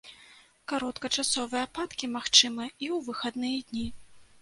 Кароткачасовыя ападкі магчымыя і ў выхадныя дні.